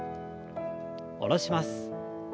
下ろします。